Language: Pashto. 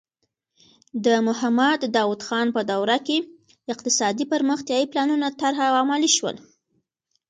د محمد داؤد خان په دوره کې اقتصادي پرمختیايي پلانونه طرح او عملي شول.